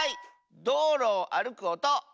どうろをあるくおと！